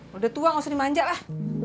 lu udah tua gak usah dimanjak lah